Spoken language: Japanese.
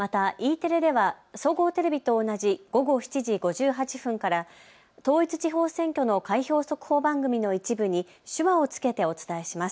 テレでは総合テレビと同じ午後７時５８分から統一地方選挙の開票速報番組の一部に手話を付けてお伝えします。